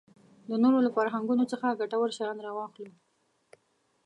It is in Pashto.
د نورو له فرهنګونو څخه ګټور شیان راواخلو.